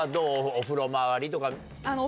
お風呂回りとか。